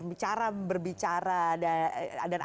bicara berbicara dan